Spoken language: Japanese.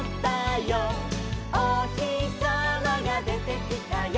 「おひさまがでてきたよ」